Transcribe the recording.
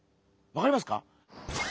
わかりますか？